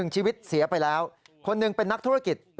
ชีวิตเสียไปแล้วคนหนึ่งเป็นนักธุรกิจ